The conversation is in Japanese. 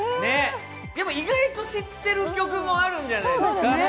意外と知ってる曲もあるんじゃないですか？